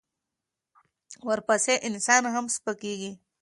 ورپسې انسان هم سپکېږي.